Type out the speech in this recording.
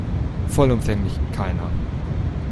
Vollumfänglich, keiner.